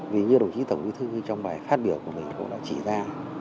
vì như đồng chí tổng bí thư trong bài phát biểu của mình cũng đã chỉ ra